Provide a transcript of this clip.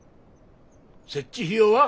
設置費用は？